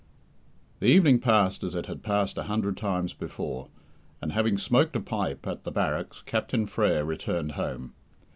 The evening passed as it had passed a hundred times before; and having smoked a pipe at the barracks, Captain Frere returned home.